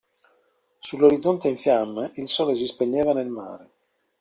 Sull'orizzonte in fiamme il sole si spegneva nel mare.